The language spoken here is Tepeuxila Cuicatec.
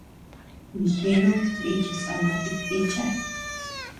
Dijinun nichis ama it icha.